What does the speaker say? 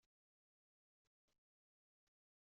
Ṣeḥḥa wal reẓẓem awen twurt.